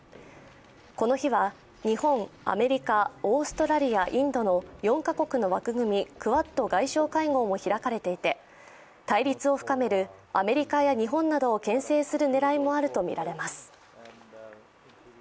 この日は、日本、アメリカ、オーストラリア、インドの４か国の枠組み、クアッド外相会合も開かれていて、対立を深めるアメリカや日本などをけん制する狙いもあるとみられます。